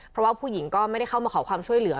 เพราะว่าผู้หญิงก็ไม่ได้เข้ามาขอความช่วยเหลือ